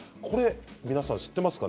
皆さん、知っていますか？